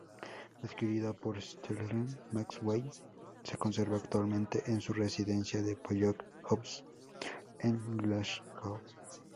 Adquirido por Stirling-Maxwell, se conserva actualmente en su residencia de Pollock House, en Glasgow.